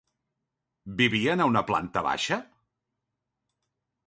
Vivien a una planta baixa?